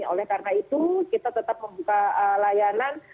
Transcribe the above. oleh karena itu kita tetap membuka layanan